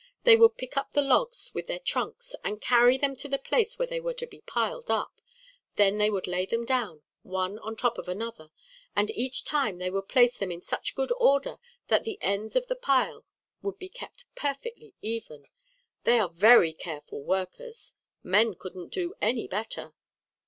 They would pick up the logs with their trunks, and carry them to the place where they were to be piled up. Then they would lay them down, one on top of another, and each time they would place them in such good order that the ends of the pile would be kept perfectly even. They are very careful workers; men couldn't do any better."